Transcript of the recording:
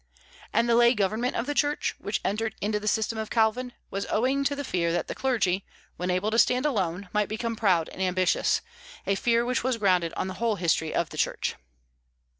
And the lay government of the Church, which entered into the system of Calvin, was owing to the fear that the clergy, when able to stand alone, might become proud and ambitious; a fear which was grounded on the whole history of the Church.